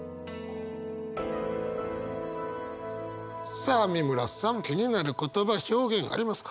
さあ美村さん気になる言葉表現ありますか？